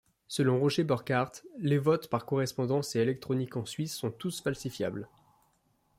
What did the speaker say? Selon Roger Burkhardt, les votes par correspondance et électroniques en Suisse sont tous falsifiables.